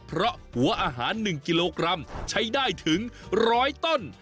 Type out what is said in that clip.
เพราะหัวอาหาร๑กิโลกรัมใช้ได้ถึง๑๐๐ต้น